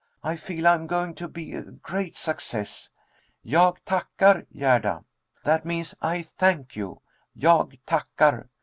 I feel I am going to be a great success. Jag tackar, Gerda. That means 'I thank you,' Jag tackar.